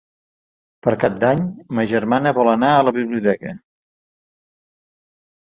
Per Cap d'Any ma germana vol anar a la biblioteca.